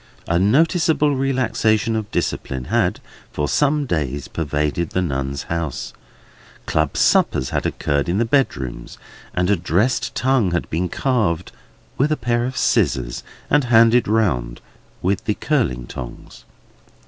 A noticeable relaxation of discipline had for some few days pervaded the Nuns' House. Club suppers had occurred in the bedrooms, and a dressed tongue had been carved with a pair of scissors, and handed round with the curling tongs.